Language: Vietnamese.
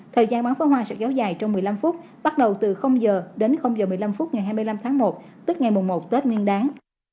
thời gian bắn phá hoa sẽ giấu dài trong một mươi năm phút bắt đầu từ giờ đến giờ một mươi năm phút ngày hai mươi năm tháng một tức ngày một một tết nguyên đáng